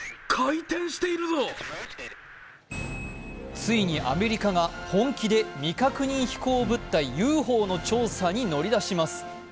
ついにアメリカが本気で未確認飛行物体、ＵＦＯの調査に乗り出します。